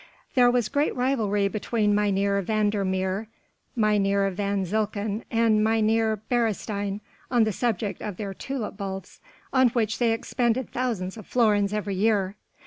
There was great rivalry between Mynheer van der Meer, Mynheer van Zilcken and Mynheer Beresteyn on the subject of their tulip bulbs, on which they expended thousands of florins every year.